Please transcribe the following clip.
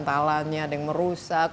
ada yang menjalannya ada yang merusak